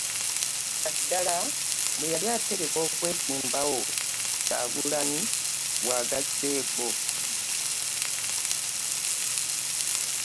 Naddala bwe yali ategeka okwesimbawo, Kyagulanyi bw'agasseeko.